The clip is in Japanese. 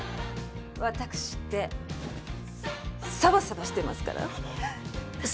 ワタクシってサバサバしてますから！